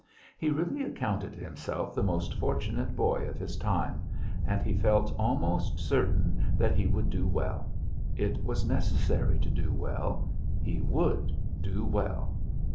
He really accounted himself the most fortunate boy of his time; and he felt almost certain that he would do well. It was necessary to do well. He would do well.